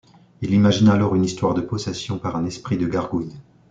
Il imagine alors une histoire de possession par un esprit de gargouille.